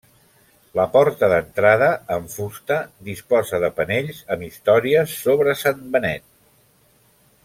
La porta d'entrada, en fusta, disposa de panells amb històries sobre Sant Benet.